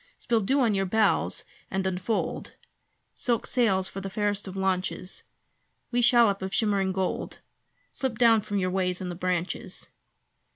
Spill dew on your bows and unfold Silk sails for the fairest of launches! Wee shallop of shimmering gold; Slip down from your ways in the branches.